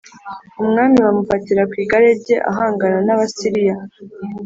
Umwami bamufatira ku igare rye ahangana n’Abasiriya